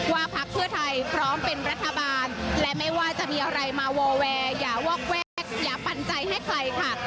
พักเพื่อไทยพร้อมเป็นรัฐบาลและไม่ว่าจะมีอะไรมาวอแวร์อย่าวอกแวกอย่าปั่นใจให้ใครค่ะ